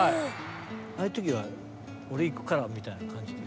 ああいう時は俺いくからみたいな感じで？